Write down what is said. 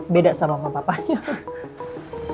beda sama mama papanya